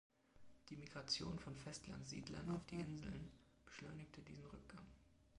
Die Migration von Festland-Siedlern auf die Inseln beschleunigte diesen Rückgang.